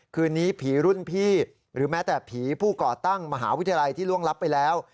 คืนนี้ผีรุ่นพี่หรือแม้แต่ผีผู้ก่อตั้งมหาวิทยาลัยที่ล่วงลับไปแล้ว